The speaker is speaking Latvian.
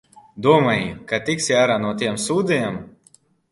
Domāji, ka tiksi ārā no tiem sūdiem?